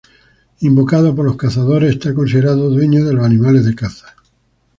Invocado por los cazadores, es considerado dueño de los animales de caza.